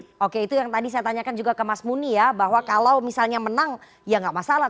oke oke itu yang tadi saya tanyakan juga ke mas muni ya bahwa kalau misalnya menang ya nggak masalah